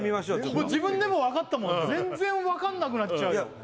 ちょっと自分でも分かったもん全然分かんなくなっちゃうよ